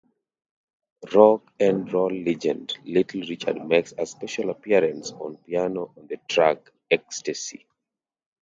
Rock-n-Roll legend, Little Richard makes a special appearance on piano on the track "Ecstasy".